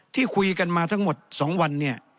ที่คุยกันมาทั้งหมด๒วัน